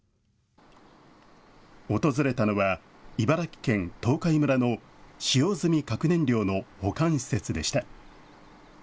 訪れたのは、茨城県東海村の使用済み核燃料の保管施設でした。